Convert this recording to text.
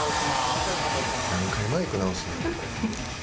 何回マイク直すねん。